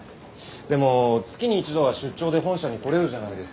でも月に一度は出張で本社に来れるじゃないですか。